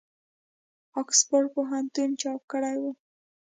آکسفورډ پوهنتون چاپ کړی وو.